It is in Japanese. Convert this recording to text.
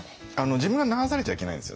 自分が流されちゃいけないんですよ。